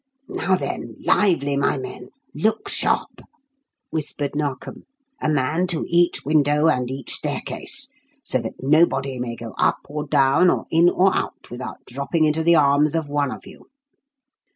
"Now, then, lively, my men look sharp!" whispered Narkom. "A man to each window and each staircase, so that nobody may go up or down or in or out without dropping into the arms of one of you.